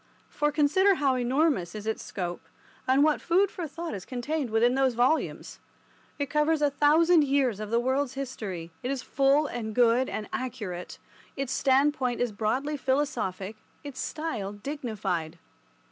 For consider how enormous is its scope, and what food for thought is contained within those volumes. It covers a thousand years of the world's history, it is full and good and accurate, its standpoint is broadly philosophic, its style dignified.